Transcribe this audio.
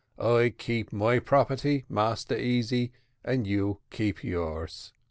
I keep my property, Massa Easy, and you keep yours."